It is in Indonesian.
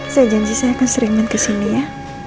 saya janji saya akan sering menge sini ya